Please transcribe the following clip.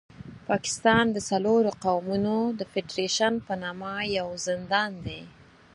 پاکستان د څلورو قومونو د فېډرېشن په نامه یو زندان دی.